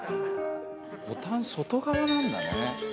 ボタン外側なんだね。